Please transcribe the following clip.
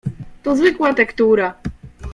"To zwykła tektura."